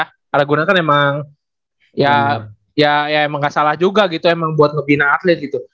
karena gue kan emang ya emang gak salah juga gitu emang buat ngebina atlet gitu